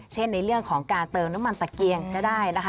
ในเรื่องของการเติมน้ำมันตะเกียงก็ได้นะคะ